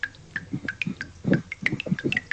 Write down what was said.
前人的足迹